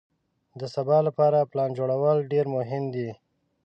د سبا لپاره پلان جوړول ډېر مهم دي.